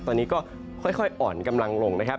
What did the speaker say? ตอนนี้ก็ค่อยอ่อนกำลังลงนะครับ